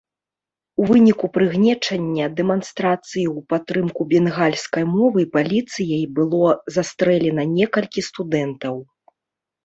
У выніку прыгнечання дэманстрацыі ў падтрымку бенгальскай мовы паліцыяй было застрэлена некалькі студэнтаў.